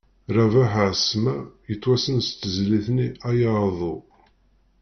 Rabeḥ Ԑesma yettwassen s tezlit-nni “Aya aḍu”.